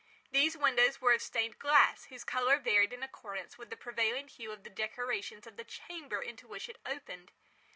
These windows were of stained glass whose colour varied in accordance with the prevailing hue of the decorations of the chamber into which it opened.